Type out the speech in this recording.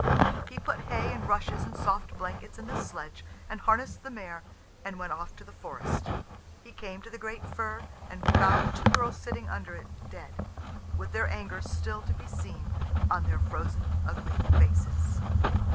He put hay and rushes and soft blankets in the sledge, and harnessed the mare, and went off to the forest. He came to the great fir, and found the two girls sitting under it dead, with their anger still to be seen on their frozen, ugly faces.